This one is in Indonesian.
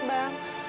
kamu mau kemana sih